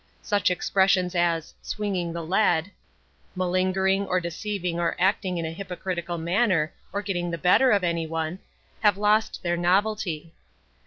Such expressions as "swinging the lead" (malingering or deceiving or acting in a hypocritical manner or getting the better of anyone) have lost their novelty.